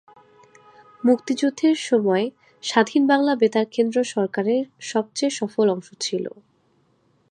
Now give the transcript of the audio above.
মুক্তিযুদ্ধের সময় স্বাধীন বাংলা বেতার কেন্দ্র সরকারের সবচেয়ে সফল অংশ ছিল।